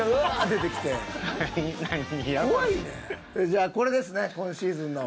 じゃあこれですね今シーズンの。